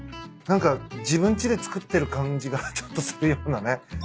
何か自分ちで作ってる感じがちょっとするようなね。